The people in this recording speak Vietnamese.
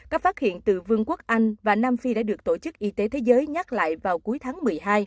các phát hiện từ vương quốc anh và nam phi đã được tổ chức y tế thế giới nhắc lại vào cuối tháng một mươi hai